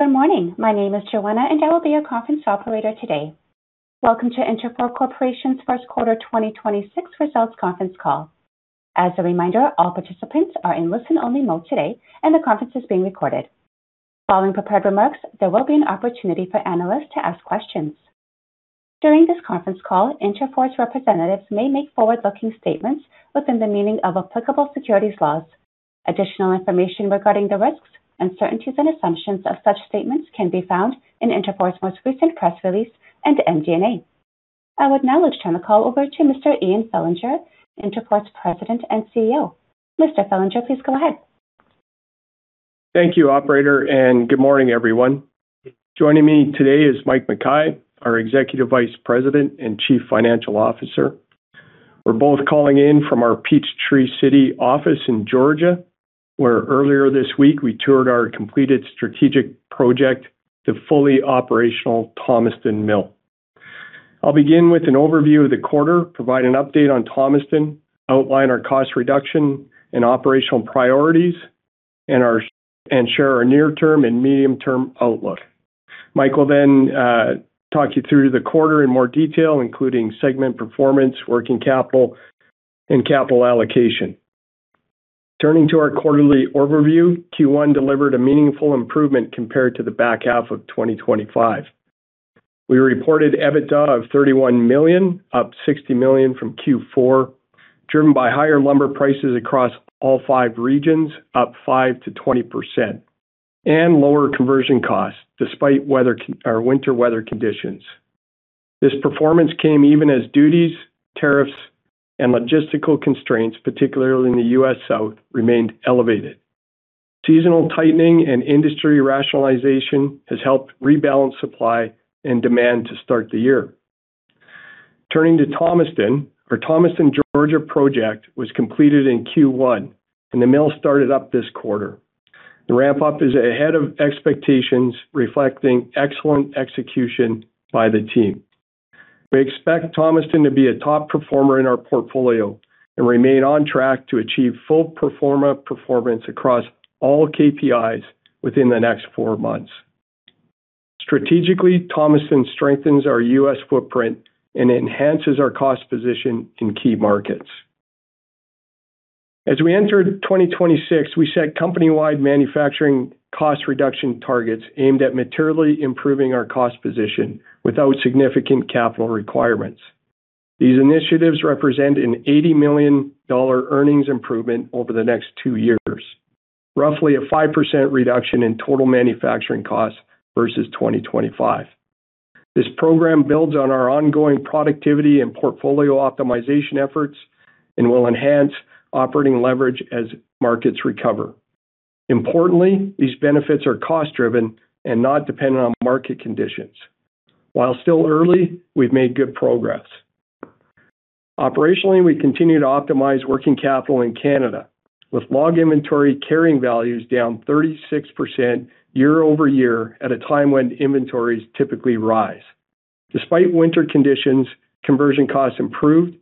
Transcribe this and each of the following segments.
Good morning. My name is Joanna, and I will be your conference operator today. Welcome to Interfor Corporation's first quarter 2026 results conference call. As a reminder, all participants are in listen-only mode today, and the conference is being recorded. Following prepared remarks, there will be an opportunity for analysts to ask questions. During this conference call, Interfor's representatives may make forward-looking statements within the meaning of applicable securities laws. Additional information regarding the risks, uncertainties, and assumptions of such statements can be found in Interfor's most recent press release and MD&A. I would now like to turn the call over to Mr. Ian Fillinger, Interfor's President and CEO. Mr. Fillinger, please go ahead. Thank you, operator. Good morning, everyone. Joining me today is Mike Mackay, our Executive Vice President and Chief Financial Officer. We're both calling in from our Peachtree City office in Georgia, where earlier this week we toured our completed strategic project, the fully operational Thomaston mill. I'll begin with an overview of the quarter, provide an update on Thomaston, outline our cost reduction and operational priorities, and share our near-term and medium-term outlook. Mike will talk you through the quarter in more detail, including segment performance, working capital, and capital allocation. Turning to our quarterly overview, Q1 delivered a meaningful improvement compared to the back half of 2025. We reported EBITDA of 31 million, up 60 million from Q4, driven by higher lumber prices across all five regions, up 5%-20%, and lower conversion costs despite winter weather conditions. This performance came even as duties, tariffs, and logistical constraints, particularly in the U.S. South, remained elevated. Seasonal tightening and industry rationalization has helped rebalance supply and demand to start the year. Turning to Thomaston, our Thomaston, Georgia project was completed in Q1, and the mill started up this quarter. The ramp-up is ahead of expectations, reflecting excellent execution by the team. We expect Thomaston to be a top performer in our portfolio and remain on track to achieve full pro forma performance across all KPIs within the next four months. Strategically, Thomaston strengthens our U.S. footprint and enhances our cost position in key markets. As we entered 2026, we set company-wide manufacturing cost reduction targets aimed at materially improving our cost position without significant capital requirements. These initiatives represent a 80 million dollar earnings improvement over the next two years, roughly a 5% reduction in total manufacturing costs versus 2025. This program builds on our ongoing productivity and portfolio optimization efforts and will enhance operating leverage as markets recover. Importantly, these benefits are cost-driven and not dependent on market conditions. While still early, we've made good progress. Operationally, we continue to optimize working capital in Canada, with log inventory carrying values down 36% year-over-year at a time when inventories typically rise. Despite winter conditions, conversion costs improved,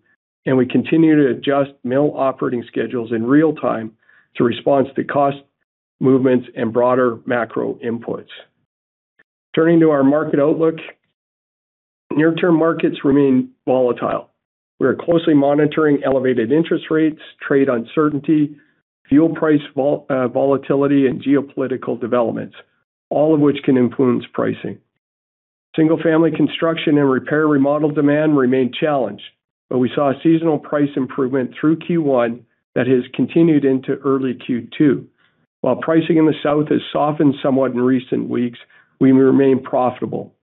and we continue to adjust mill operating schedules in real time to respond to cost movements and broader macro inputs. Turning to our market outlook, near-term markets remain volatile. We are closely monitoring elevated interest rates, trade uncertainty, fuel price volatility, and geopolitical developments, all of which can influence pricing. Single-family construction and repair remodel demand remain challenged, but we saw a seasonal price improvement through Q1 that has continued into early Q2. While pricing in the South has softened somewhat in recent weeks, we remain profitable.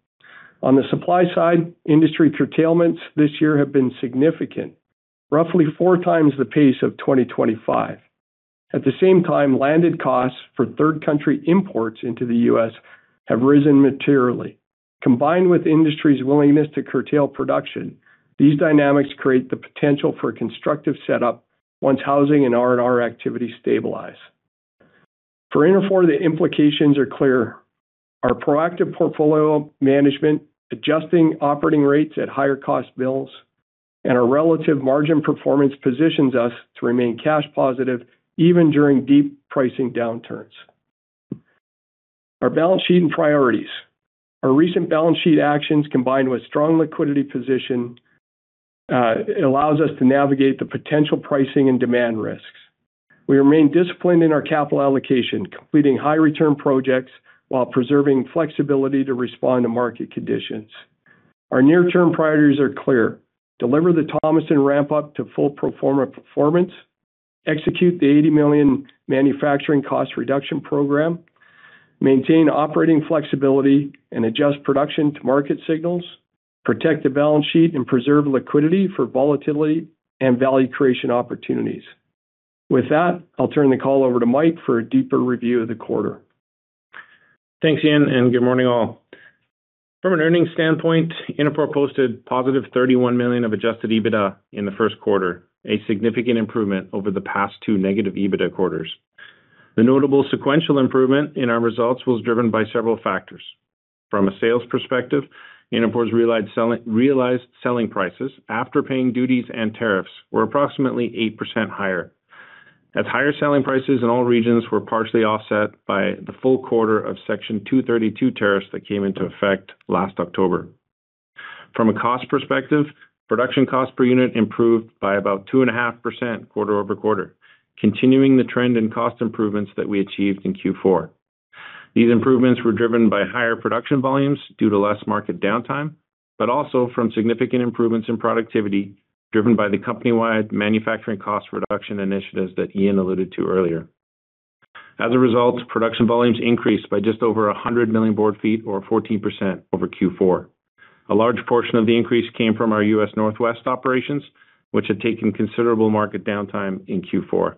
On the supply side, industry curtailments this year have been significant, roughly four times the pace of 2025. At the same time, landed costs for third-country imports into the U.S. have risen materially. Combined with the industry's willingness to curtail production, these dynamics create the potential for a constructive setup once housing and R&R activity stabilize. For Interfor, the implications are clear. Our proactive portfolio management, adjusting operating rates at higher cost mills, and our relative margin performance positions us to remain cash positive even during deep pricing downturns. Our balance sheet and priorities. Our recent balance sheet actions, combined with strong liquidity position, allows us to navigate the potential pricing and demand risks. We remain disciplined in our capital allocation, completing high-return projects while preserving flexibility to respond to market conditions. Our near-term priorities are clear: deliver the Thomaston ramp-up to full pro forma performance, execute the 80 million manufacturing cost reduction program, maintain operating flexibility and adjust production to market signals, protect the balance sheet, and preserve liquidity for volatility and value creation opportunities. With that, I'll turn the call over to Mike for a deeper review of the quarter. Thanks, Ian, and good morning, all. From an earnings standpoint, Interfor posted positive 31 million of adjusted EBITDA in the first quarter, a significant improvement over the past two negative EBITDA quarters. The notable sequential improvement in our results was driven by several factors. From a sales perspective, Interfor's realized selling prices after paying duties and tariffs were approximately 8% higher. Higher selling prices in all regions were partially offset by the full quarter of Section 232 tariffs that came into effect last October. From a cost perspective, production cost per unit improved by about 2.5% quarter-over-quarter, continuing the trend in cost improvements that we achieved in Q4. These improvements were driven by higher production volumes due to less market downtime, but also from significant improvements in productivity, driven by the company-wide manufacturing cost reduction initiatives that Ian alluded to earlier. As a result, production volumes increased by just over 100 million board feet or 14% over Q4. A large portion of the increase came from our U.S. Northwest operations, which had taken considerable market downtime in Q4.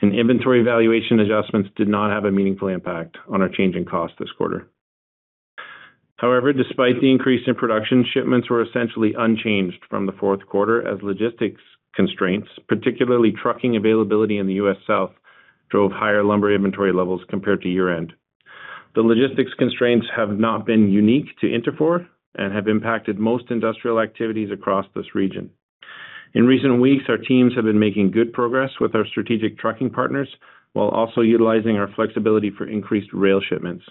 Inventory valuation adjustments did not have a meaningful impact on our change in cost this quarter. Despite the increase in production, shipments were essentially unchanged from the fourth quarter as logistics constraints, particularly trucking availability in the U.S. South, drove higher lumber inventory levels compared to year-end. The logistics constraints have not been unique to Interfor and have impacted most industrial activities across this region. In recent weeks, our teams have been making good progress with our strategic trucking partners while also utilizing our flexibility for increased rail shipments.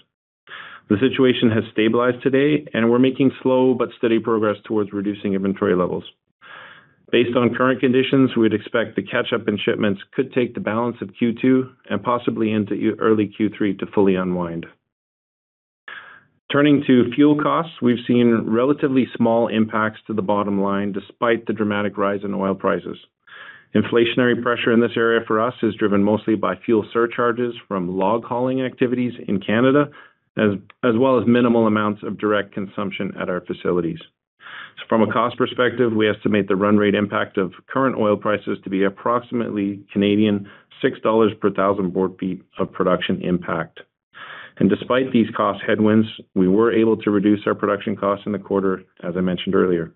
The situation has stabilized today. We're making slow but steady progress towards reducing inventory levels. Based on current conditions, we'd expect the catch-up in shipments could take the balance of Q2 and possibly into early Q3 to fully unwind. Turning to fuel costs, we've seen relatively small impacts to the bottom line despite the dramatic rise in oil prices. Inflationary pressure in this area for us is driven mostly by fuel surcharges from log hauling activities in Canada, as well as minimal amounts of direct consumption at our facilities. From a cost perspective, we estimate the run rate impact of current oil prices to be approximately 6 Canadian dollars per thousand board feet of production impact. Despite these cost headwinds, we were able to reduce our production costs in the quarter, as I mentioned earlier.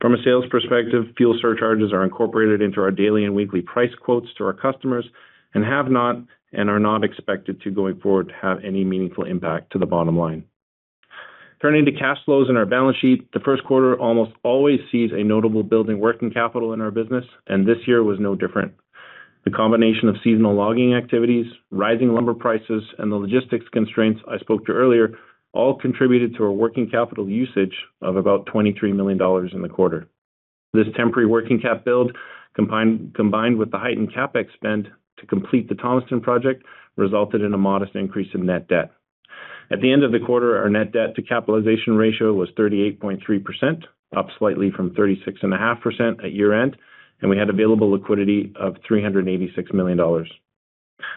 From a sales perspective, fuel surcharges are incorporated into our daily and weekly price quotes to our customers and have not and are not expected to going forward to have any meaningful impact to the bottom line. Turning to cash flows and our balance sheet, the first quarter almost always sees a notable build in working capital in our business, and this year was no different. The combination of seasonal logging activities, rising lumber prices, and the logistics constraints I spoke to earlier all contributed to a working capital usage of about 23 million dollars in the quarter. This temporary working cap build combined with the heightened CapEx spend to complete the Thomaston project resulted in a modest increase in net debt. At the end of the quarter, our net debt to capitalization ratio was 38.3%, up slightly from 36.5% at year-end, and we had available liquidity of 386 million dollars.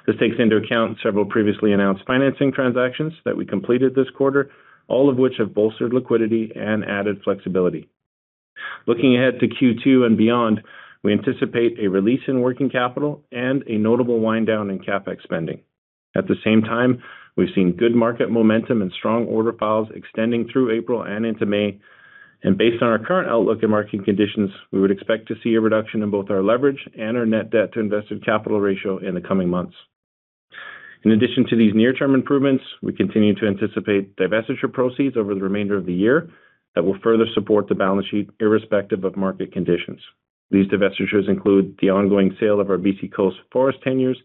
This takes into account several previously announced financing transactions that we completed this quarter, all of which have bolstered liquidity and added flexibility. Looking ahead to Q2 and beyond, we anticipate a release in working capital and a notable wind down in CapEx spending. At the same time, we've seen good market momentum and strong order files extending through April and into May. Based on our current outlook and market conditions, we would expect to see a reduction in both our leverage and our net debt to invested capital ratio in the coming months. In addition to these near-term improvements, we continue to anticipate divestiture proceeds over the remainder of the year that will further support the balance sheet irrespective of market conditions. These divestitures include the ongoing sale of our B.C. coast forest tenures,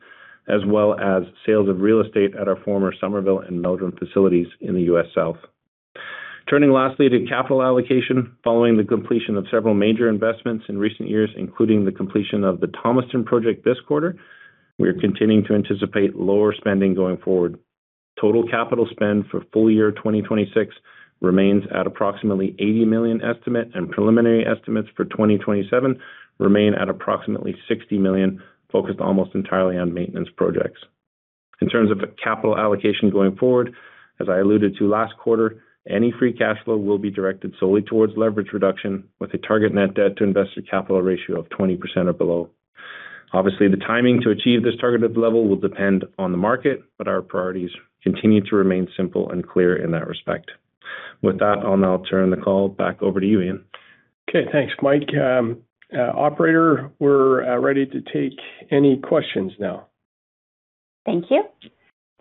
as well as sales of real estate at our former Summerville and Meldrim facilities in the U.S. South. Turning lastly to capital allocation. Following the completion of several major investments in recent years, including the completion of the Thomaston project this quarter, we are continuing to anticipate lower spending going forward. Total capital spend for full year 2026 remains at approximately 80 million estimate, and preliminary estimates for 2027 remain at approximately 60 million, focused almost entirely on maintenance projects. In terms of capital allocation going forward, as I alluded to last quarter, any free cash flow will be directed solely towards leverage reduction with a target net debt to invested capital ratio of 20% or below. Obviously, the timing to achieve this targeted level will depend on the market, but our priorities continue to remain simple and clear in that respect. With that, I'll now turn the call back over to you, Ian. Okay. Thanks, Mike. operator, we're ready to take any questions now. Thank you.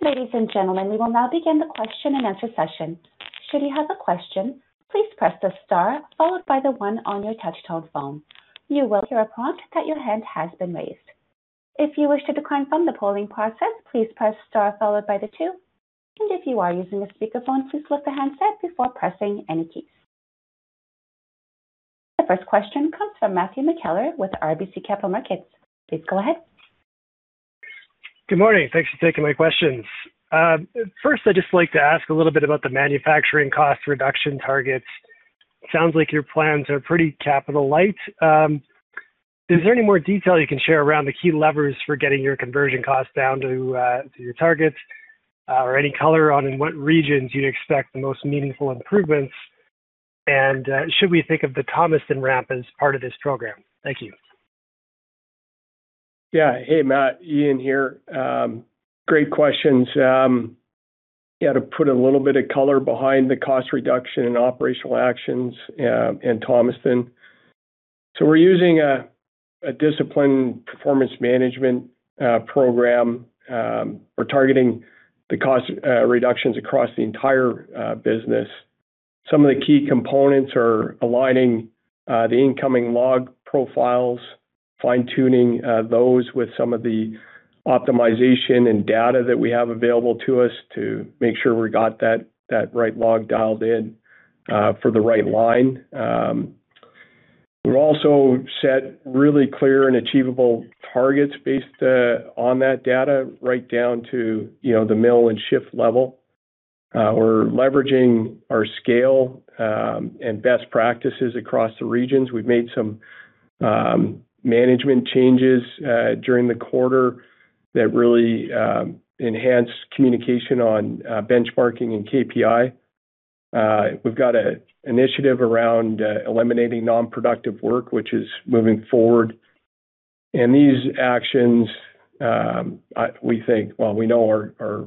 Ladies and gentlemen, we will now begin the question-and-answer session. The first question comes from Matthew McKellar with RBC Capital Markets. Please go ahead. Good morning. Thanks for taking my questions. First, I'd just like to ask a little bit about the manufacturing cost reduction targets. Sounds like your plans are pretty capital light. Is there any more detail you can share around the key levers for getting your conversion costs down to your targets? Any color on in what regions you'd expect the most meaningful improvements? Should we think of the Thomaston ramp as part of this program? Thank you. Yeah. Hey, Matt. Ian here. Great questions. Yeah, to put a little bit of color behind the cost reduction and operational actions in Thomaston. We're using a discipline performance management program. We're targeting the cost reductions across the entire business. Some of the key components are aligning the incoming log profiles, fine-tuning those with some of the optimization and data that we have available to us to make sure we got that right log dialed in for the right line. We also set really clear and achievable targets based on that data right down to, you know, the mill and shift level. We're leveraging our scale and best practices across the regions. We've made some management changes during the quarter that really enhanced communication on benchmarking and KPI. We've got a initiative around eliminating non-productive work, which is moving forward. These actions, we think, well, we know are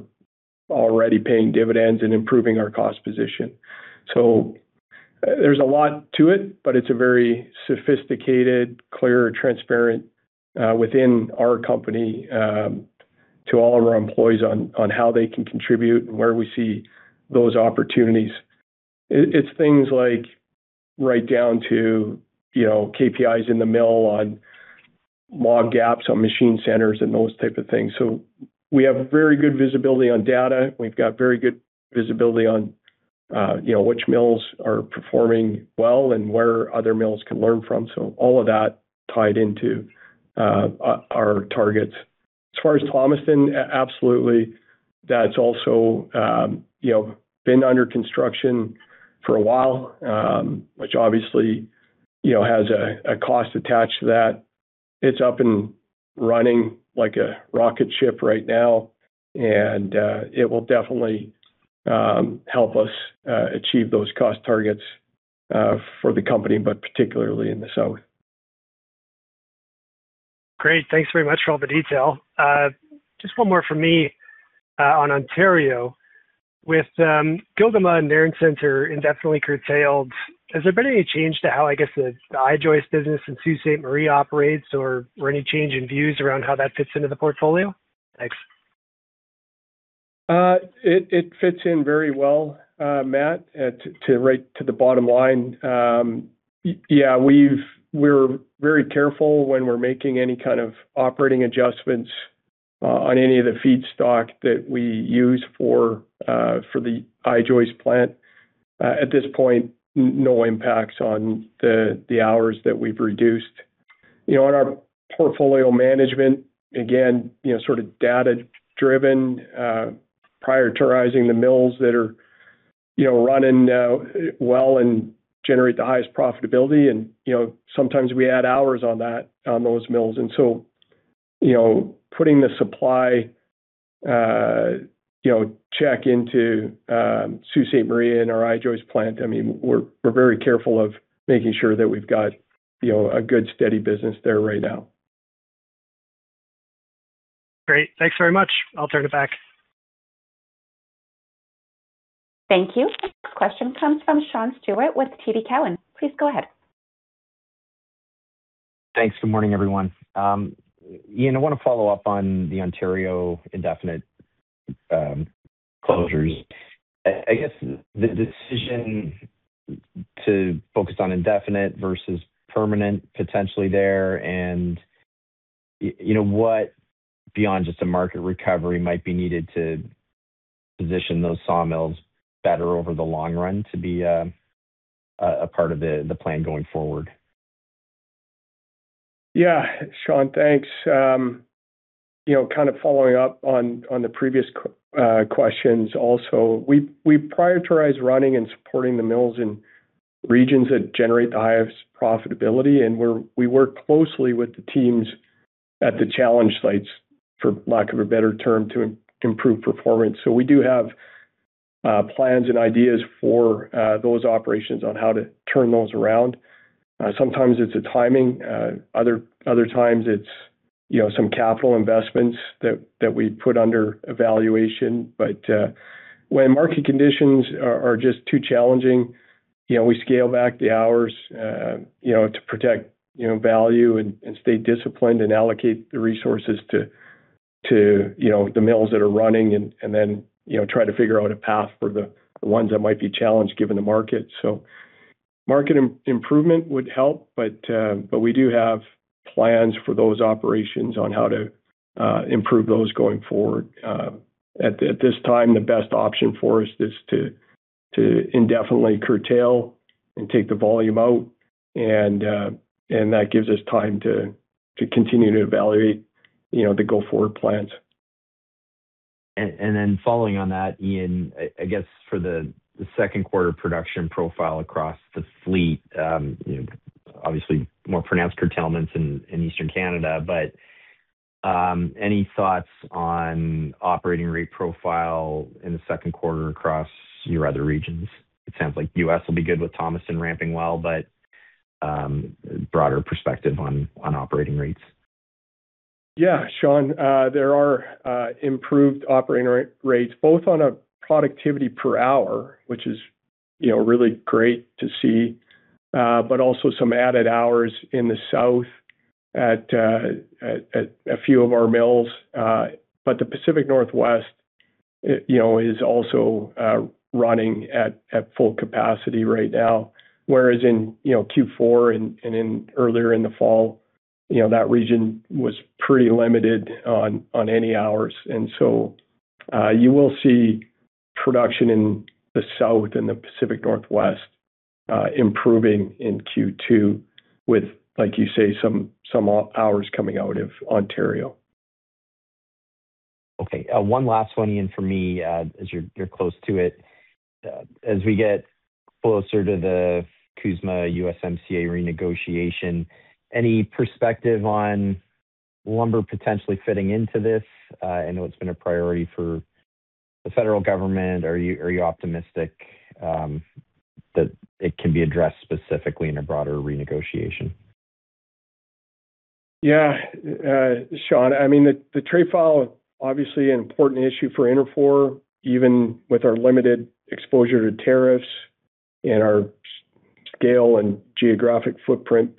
already paying dividends and improving our cost position. There's a lot to it, but it's a very sophisticated, clear, transparent within our company to all of our employees on how they can contribute and where we see those opportunities. It's things like right down to, you know, KPIs in the mill on log gaps on machine centers and those type of things. We have very good visibility on data. We've got very good visibility on, you know, which mills are performing well and where other mills can learn from. All of that tied into our targets. As far as Thomaston, absolutely, that's also, you know, been under construction for a while, which obviously, you know, has a cost attached to that. It's up and running like a rocket ship right now. It will definitely help us achieve those cost targets for the company, but particularly in the South. Great. Thanks very much for all the detail. Just one more from me, on Ontario. With Gogama and Nairn Centre indefinitely curtailed, has there been any change to how, I guess, the I-joist business in Sault Ste. Marie operates or any change in views around how that fits into the portfolio? Thanks. It, it fits in very well, Matt, right to the bottom line. Yeah, we're very careful when we're making any kind of operating adjustments on any of the feedstock that we use for the I-joist plant. At this point, no impacts on the hours that we've reduced. You know, on our portfolio management, again, you know, sort of data-driven, prioritizing the mills that are, you know, running well and generate the highest profitability. You know, sometimes we add hours on those mills. You know, putting the supply, you know, check into Sault Ste. Marie and our I-joist plant, I mean, we're very careful of making sure that we've got, you know, a good, steady business there right now. Great. Thanks very much. I'll turn it back. Thank you. Next question comes from Sean Steuart with TD Cowen. Please go ahead. Thanks. Good morning, everyone. Ian, I wanna follow up on the Ontario indefinite closures. I guess the decision to focus on indefinite versus permanent potentially there and, you know, what beyond just a market recovery might be needed to position those sawmills better over the long run to be a part of the plan going forward? Yeah. Sean, thanks. You know, kind of following up on the previous questions also. We prioritize running and supporting the mills in regions that generate the highest profitability, and we work closely with the teams at the challenge sites, for lack of a better term, to improve performance. We do have plans and ideas for those operations on how to turn those around. Sometimes it's a timing, other times it's, you know, some capital investments that we put under evaluation. When market conditions are just too challenging, you know, we scale back the hours, you know, to protect, you know, value and stay disciplined and allocate the resources to, you know, the mills that are running and then, you know, try to figure out a path for the ones that might be challenged given the market. Market improvement would help, but we do have plans for those operations on how to improve those going forward. At this time, the best option for us is to indefinitely curtail and take the volume out, and that gives us time to continue to evaluate, you know, the go-forward plans. Then following on that, Ian, I guess for the second quarter production profile across the fleet, you know, obviously more pronounced curtailments in Eastern Canada, but any thoughts on operating rate profile in the second quarter across your other regions? It sounds like U.S. will be good with Thomaston ramping well, but broader perspective on operating rates. Yeah, Sean, there are improved operating rates both on a productivity per hour, which is, you know, really great to see, but also some added hours in the South at a few of our mills. The Pacific Northwest, you know, is also running at full capacity right now, whereas in, you know, Q4 and earlier in the fall, you know, that region was pretty limited on any hours. You will see production in the South and the Pacific Northwest improving in Q2 with, like you say, some hours coming out of Ontario. Okay. One last one, Ian, for me, as you're close to it. As we get closer to the CUSMA/USMCA renegotiation, any perspective on lumber potentially fitting into this? I know it's been a priority for the federal government. Are you optimistic that it can be addressed specifically in a broader renegotiation? Yeah. Sean, I mean, the trade file obviously an important issue for Interfor, even with our limited exposure to tariffs and our scale and geographic footprint.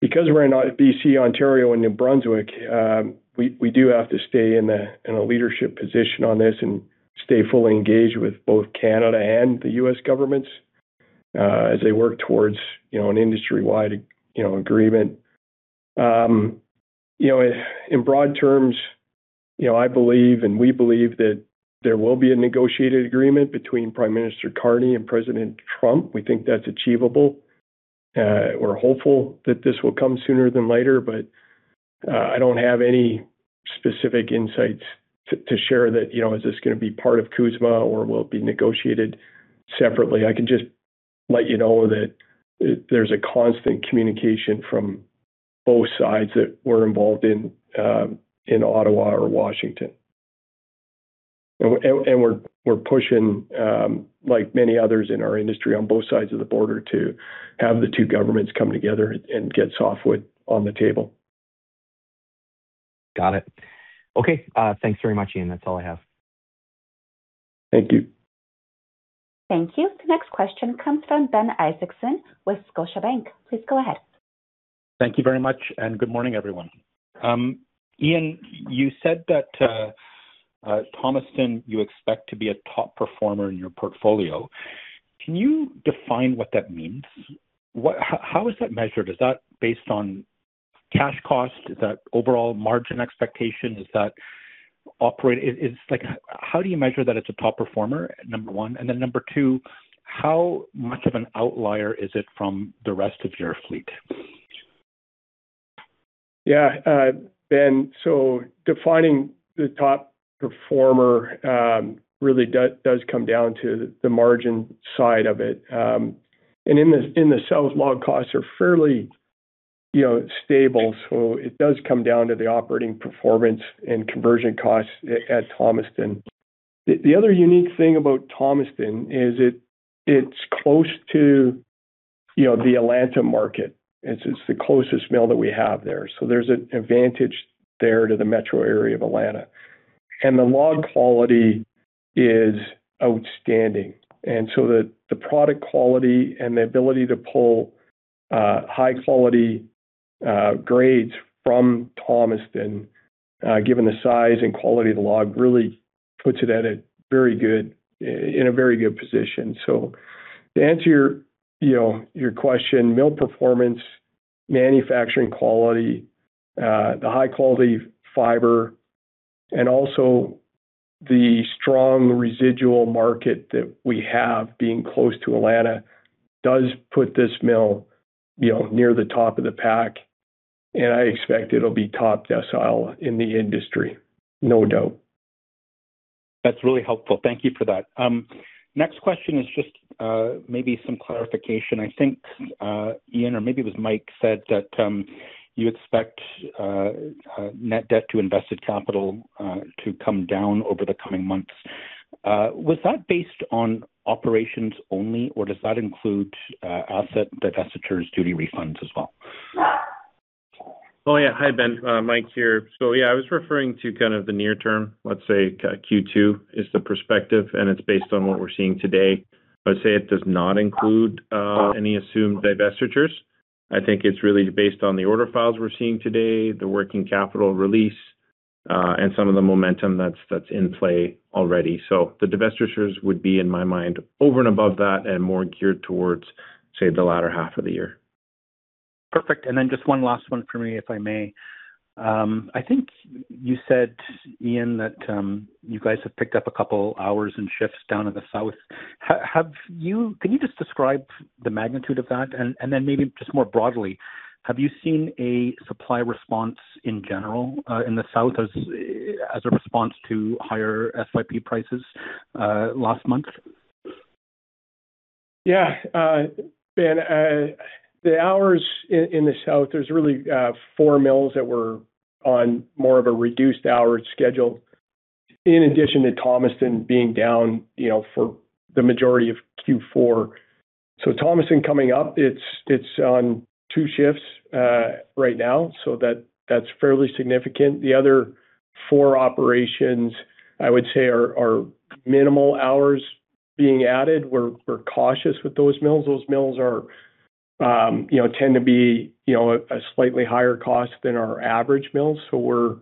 Because we're in B.C., Ontario, and New Brunswick, we do have to stay in a leadership position on this and stay fully engaged with both Canada and the U.S. governments, as they work towards, you know, an industry-wide, you know, agreement. You know, in broad terms, you know, I believe and we believe that there will be a negotiated agreement between Prime Minister Carney and President Trump. We think that's achievable. We're hopeful that this will come sooner than later, I don't have any specific insights to share that, you know, is this gonna be part of CUSMA or will it be negotiated separately? I can just let you know that there's a constant communication from both sides that we're involved in Ottawa or Washington. We're pushing, like many others in our industry on both sides of the border to have the two governments come together and get softwood on the table. Got it. Okay. Thanks very much, Ian. That's all I have. Thank you. Thank you. The next question comes from Ben Isaacson with Scotiabank. Please go ahead. Thank you very much, good morning, everyone. Ian, you said that Thomaston you expect to be a top performer in your portfolio. Can you define what that means? How is that measured? Is that based on cash cost? Is that overall margin expectation? Is that like, how do you measure that it's a top performer, number 1? Number 2, how much of an outlier is it from the rest of your fleet? Yeah. Ben, defining the top performer really does come down to the margin side of it. In the, in the South, log costs are fairly, you know, stable. It does come down to the operating performance and conversion costs at Thomaston. The other unique thing about Thomaston is it's close to, you know, the Atlanta market. It's the closest mill that we have there. There's an advantage there to the metro area of Atlanta. The log quality is outstanding. The product quality and the ability to pull high quality grades from Thomaston, given the size and quality of the log really puts it in a very good position. To answer your, you know, your question, mill performance, manufacturing quality, the high quality fiber, and also the strong residual market that we have being close to Atlanta does put this mill, you know, near the top of the pack, and I expect it'll be top decile in the industry, no doubt. That's really helpful. Thank you for that. Next question is just, maybe some clarification. I think Ian, or maybe it was Mike, said that you expect net debt to invested capital to come down over the coming months. Was that based on operations only, or does that include asset divestitures duty refunds as well? Yeah. Hi, Ben. Mike here. Yeah, I was referring to kind of the near term, let's say, Q2 is the perspective, and it's based on what we're seeing today. I'd say it does not include any assumed divestitures. I think it's really based on the order files we're seeing today, the working capital release, and some of the momentum that's in play already. The divestitures would be, in my mind, over and above that and more geared towards, say, the latter half of the year. Perfect. Just one last one for me, if I may. I think you said, Ian, that you guys have picked up a couple hours and shifts down in the South. Can you just describe the magnitude of that? And then maybe just more broadly, have you seen a supply response in general in the South as a response to higher SYP prices last month? Ben, the hours in the South, there's really four mills that were on more of a reduced hour schedule. In addition to Thomaston being down, you know, for the majority of Q4. Thomaston coming up, it's on two shifts right now, so that's fairly significant. The other four operations I would say are minimal hours being added. We're cautious with those mills. Those mills are, you know, tend to be, you know, a slightly higher cost than our average mills, so we're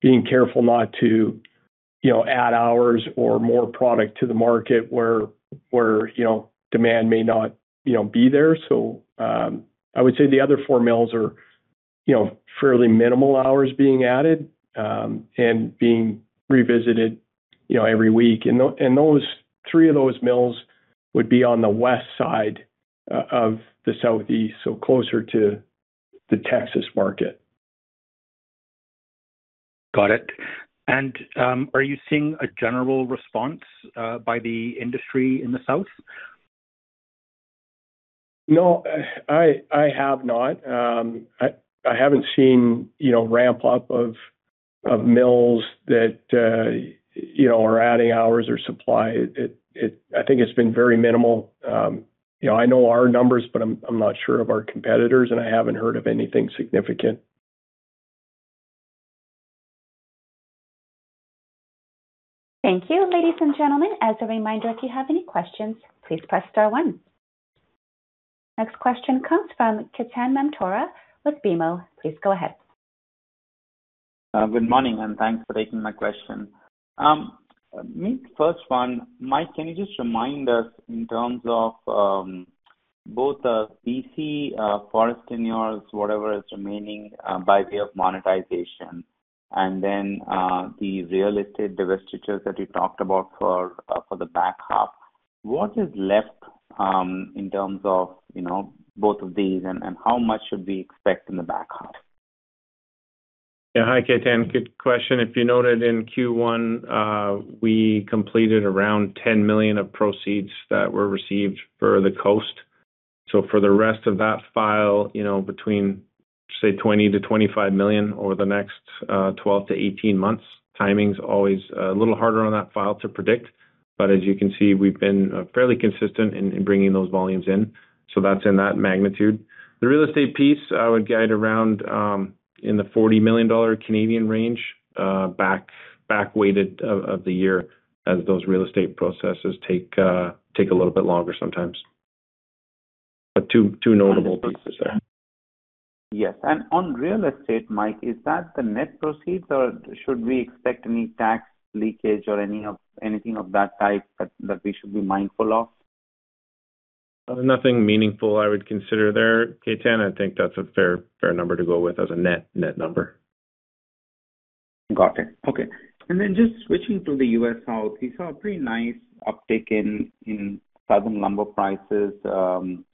being careful not to, you know, add hours or more product to the market where, you know, demand may not, you know, be there. I would say the other four mills are, you know, fairly minimal hours being added and being revisited, you know, every week. Those, three of those mills would be on the west side of the southeast, so closer to the Texas market. Got it. Are you seeing a general response by the industry in the South? No, I have not. I haven't seen, you know, ramp up of mills that, you know, are adding hours or supply. It, I think it's been very minimal. You know, I know our numbers, but I'm not sure of our competitors, and I haven't heard of anything significant. Thank you. Ladies and gentlemen, as a reminder, if you have any questions, please press star one. Next question comes from Ketan Mamtora with BMO. Please go ahead. Good morning, and thanks for taking my question. Maybe first one, Mike, can you just remind us in terms of both the B.C. forest tenure, whatever is remaining by way of monetization, and then, the real estate divestitures that you talked about for the back half, what is left in terms of, you know, both of these, and how much should we expect in the back half? Hi, Ketan. Good question. If you noted in Q1, we completed around 10 million of proceeds that were received for the coast. For the rest of that file, you know, between, say, 20 million-25 million over the next 12-18 months. Timing's always a little harder on that file to predict. As you can see, we've been fairly consistent in bringing those volumes in, so that's in that magnitude. The real estate piece I would guide around in the 40 million Canadian dollars range, back-weighted of the year as those real estate processes take a little bit longer sometimes. Two notable pieces there. Yes. On real estate, Mike, is that the net proceeds, or should we expect any tax leakage or anything of that type that we should be mindful of? Nothing meaningful I would consider there, Ketan. I think that's a fair number to go with as a net number. Got it. Okay. Then just switching to the U.S. South, we saw a pretty nice uptick in southern lumber prices in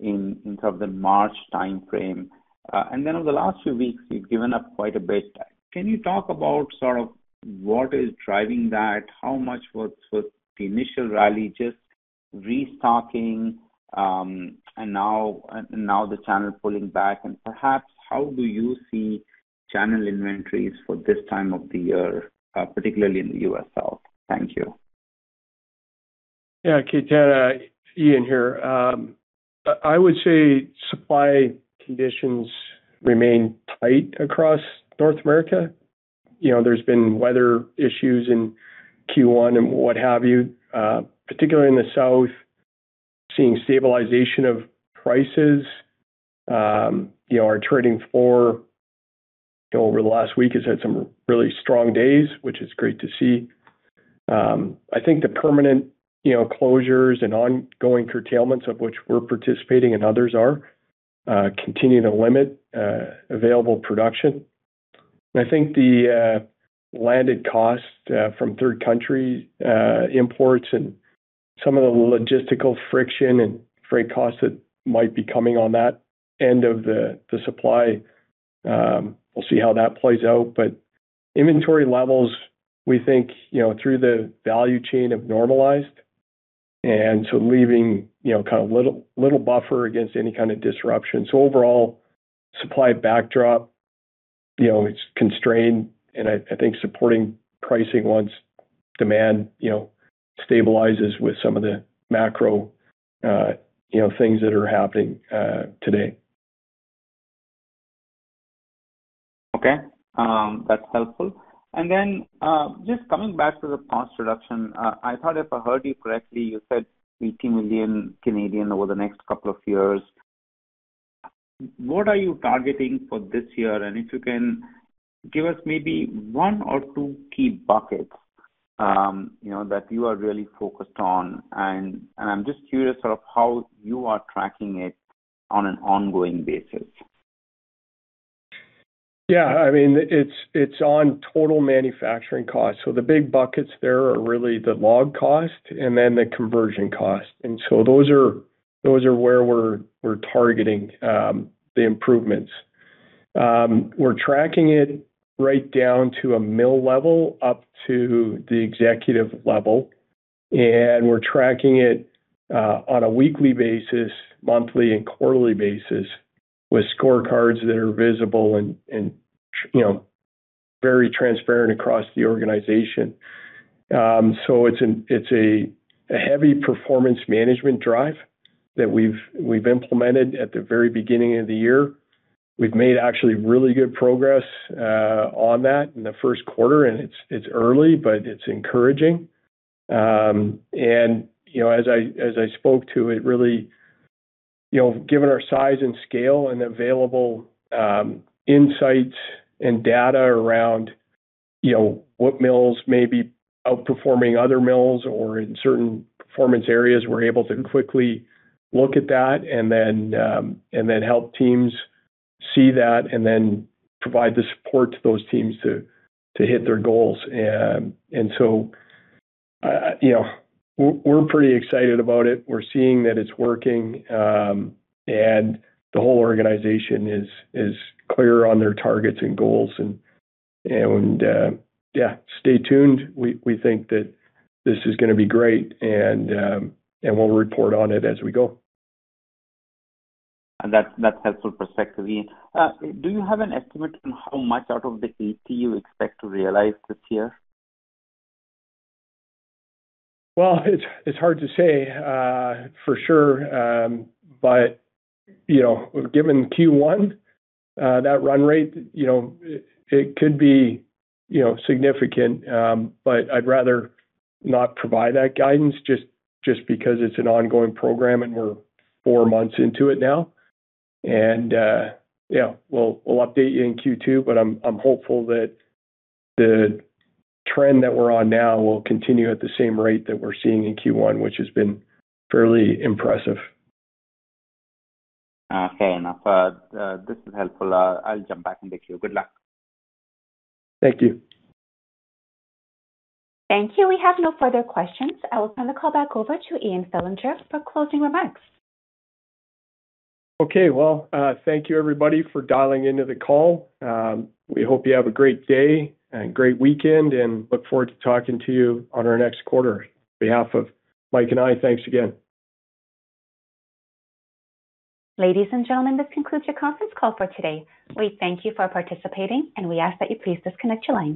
terms of the March timeframe. Then over the last few weeks, we've given up quite a bit. Can you talk about sort of what is driving that? How much was the initial rally just restocking, and now the channel pulling back? Perhaps how do you see channel inventories for this time of the year, particularly in the U.S. South? Thank you. Yeah, Ketan, Ian here. I would say supply conditions remain tight across North America. You know, there's been weather issues in Q1 and what have you. Particularly in the South, seeing stabilization of prices. You know, our trading floor over the last week has had some really strong days, which is great to see. I think the permanent, you know, closures and ongoing curtailments of which we're participating and others are, continue to limit available production. I think the landed cost from third country imports and some of the logistical friction and freight costs that might be coming on that end of the supply, we'll see how that plays out. Inventory levels, we think, you know, through the value chain have normalized, and so leaving, you know, kind of little buffer against any kind of disruption. Overall, supply backdrop, you know, it's constrained and I think supporting pricing once demand, you know, stabilizes with some of the macro, you know, things that are happening, today. Okay. That's helpful. Just coming back to the cost reduction, I thought if I heard you correctly, you said 80 million over the next couple of years. What are you targeting for this year? If you can give us maybe one or two key buckets, you know, that you are really focused on, and I'm just curious sort of how you are tracking it on an ongoing basis. Yeah. I mean, it's on total manufacturing cost. The big buckets there are really the log cost and then the conversion cost. Those are where we're targeting the improvements. We're tracking it right down to a mill level, up to the executive level. And we're tracking it on a weekly basis, monthly and quarterly basis with scorecards that are visible and, you know, very transparent across the organization. It's a heavy performance management drive that we've implemented at the very beginning of the year. We've made actually really good progress on that in the first quarter, and it's early, but it's encouraging. You know, as I, as I spoke to it really, you know, given our size and scale and available insights and data around, you know, what mills may be outperforming other mills or in certain performance areas, we're able to quickly look at that and then and then help teams see that and then provide the support to those teams to hit their goals. You know, we're pretty excited about it. We're seeing that it's working, and the whole organization is clear on their targets and goals and stay tuned. We, we think that this is gonna be great and we'll report on it as we go. That's helpful perspective. Do you have an estimate on how much out of the 80 million you expect to realize this year? Well, it's hard to say for sure. You know, given Q1, that run rate, you know, it could be, you know, significant. I'd rather not provide that guidance just because it's an ongoing program, and we're four months into it now. Yeah, we'll update you in Q2, but I'm hopeful that the trend that we're on now will continue at the same rate that we're seeing in Q1, which has been fairly impressive. Okay. Enough. This is helpful. I'll jump back in the queue. Good luck. Thank you. Thank you. We have no further questions. I will turn the call back over to Ian Fillinger for closing remarks. Okay. Well, thank you everybody for dialing into the call. We hope you have a great day and great weekend. Look forward to talking to you on our next quarter. On behalf of Mike and I, thanks again. Ladies and gentlemen, this concludes your conference call for today. We thank you for participating, and we ask that you please disconnect your lines.